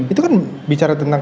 itu kan bicara tentang